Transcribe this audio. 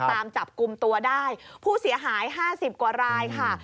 ตามจับกลุ่มตัวได้ผู้เสียหาย๕๐กว่ารายค่ะ